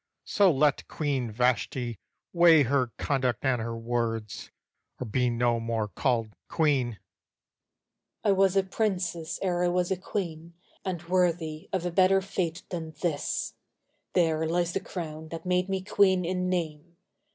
So let Queen Vashti weigh her conduct and her words, Or be no more called 'queen!' VASHTI I was a princess ere I was a queen, And worthy of a better fate than this! There lies the crown that made me queen in name!